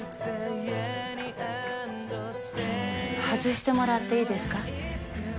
外してもらっていいですか？